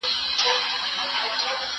لېونى په خپل کار ښه پوهېږي.